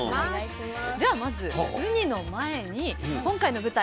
ではまずウニの前に今回の舞台